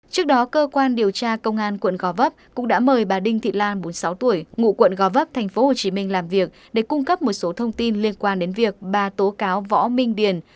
trước đó cơ quan điều tra công an quận gò vấp cũng đã mời bà đinh thị lan bốn mươi sáu tuổi ngụ quận gò vấp tp hcm làm việc để cung cấp một số thông tin liên quan đến việc bà tố cáo võ minh điền